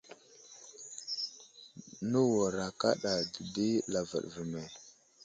Nəwara kaɗa dədi lavaɗ ve me.